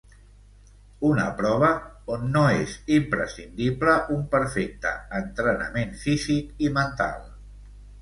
Una prova on no és imprescindible un perfecte entrenament físic i mental.